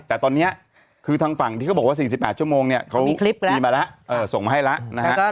แต่ตอนนี้คือทางฝั่งที่บอกว่า๔๘ชั่วโมงเขาส่งมาให้แล้ว